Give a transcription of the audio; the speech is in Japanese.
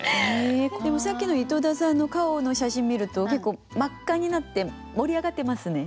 さっきの井戸田さんの顔の写真見ると結構真っ赤になって盛り上がってますね。